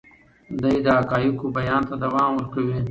دی د حقایقو بیان ته دوام ورکوي.